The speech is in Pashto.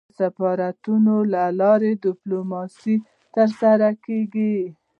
د سفارتونو له لاري ډيپلوماسي ترسره کېږي.